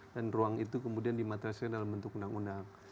dan ruang itu kemudian dimatrasikan dalam bentuk undang undang